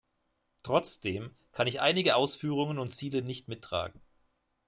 Trotzdem kann ich einige Ausführungen und Ziele nicht mittragen.